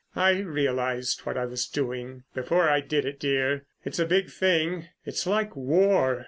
"I realised what I was doing before I did it, dear. It's a big thing. It's like war.